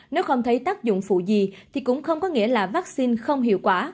nếu không thấy tác dụng phụ gì thì cũng không có nghĩa là vaccine không hiệu quả